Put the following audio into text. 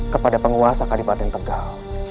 kepada penguasa kalipatin tegal